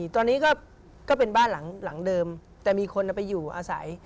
ตอนนี้ก็เป็นบ้านหลังเดิมแต่มีคนไปอยู่อาศัย